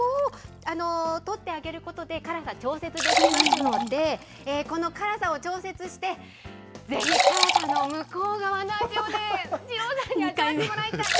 ここを取ってあげることで、辛さ調節できますので、この辛さを調節して、ぜひ辛さの向こう側の味をね、二郎さんに味わってもらいたい。